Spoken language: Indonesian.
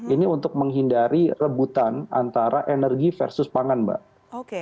ini untuk menghindari rebutan antara energi versus pangan mbak